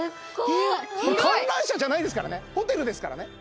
観覧車じゃないですからねホテルですからね。